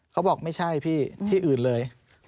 เขาบอกไม่ใช่พี่ที่อื่นเลย